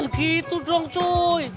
jangan gitu dong cuy